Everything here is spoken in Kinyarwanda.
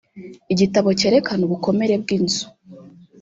igitabo cyerekana ubukomere bw’inzu